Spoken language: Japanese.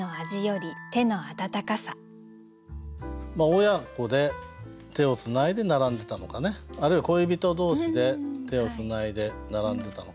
親子で手をつないで並んでたのかねあるいは恋人同士で手をつないで並んでたのか。